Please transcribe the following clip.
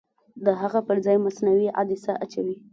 د هغه پرځای مصنوعي عدسیه اچوي.